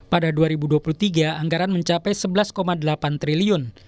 pada dua ribu dua puluh tiga anggaran mencapai rp sebelas delapan triliun